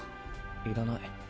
いらない。